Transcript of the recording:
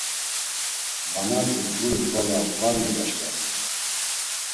Vanati guri xvala var megaşǩvasen.